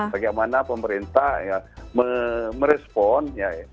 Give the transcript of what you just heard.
bagaimana pemerintah merespon